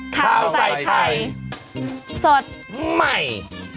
ข้าวใส่ไข่สดใหม่